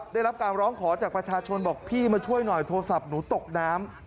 ได้รับการร้องขอจากประชาชนบอกพี่มาช่วยหน่อยโทรศัพท์หนูตกน้ำ